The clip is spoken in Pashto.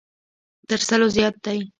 تر سلو زیات دی.